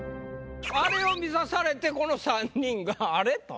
あれを見さされてこの３人があれ？と。